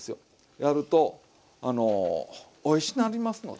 やるとおいしなりますので。